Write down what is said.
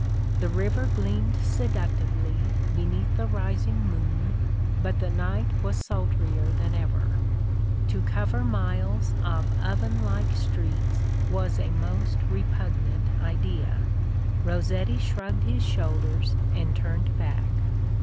The river gleamed seductively beneath the rising moon : but the night was sultrier than ever. ... To cover miles of oven like streets was a most repugnant idea ; Rossetti shrugged his shoulders, and turned back.